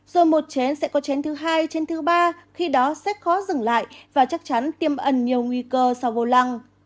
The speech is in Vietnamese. rồi một chén sẽ có chén thứ hai trên thứ ba khi đó sẽ khó dừng lại và chắc chắn tiêm ẩn nhiều nguy cơ sau vô lăng